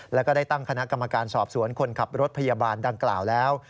แล้วก็ได้ตั้งคณะกรรมการสอบสวนคนขับรถพยาบาลดังกล่าวแล้ว